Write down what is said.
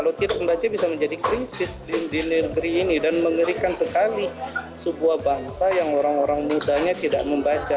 kalau tidak membaca bisa menjadi krisis di negeri ini dan mengerikan sekali sebuah bangsa yang orang orang mudanya tidak membaca